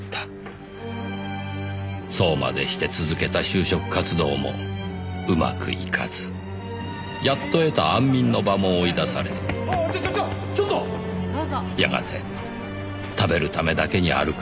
そうまでして続けた就職活動もうまくいかずやっと得た安眠の場も追い出されやがて食べるためだけに歩く